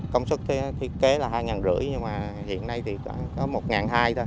công suất thiết kế là hai ngàn rưỡi nhưng mà hiện nay thì có một ngàn hai thôi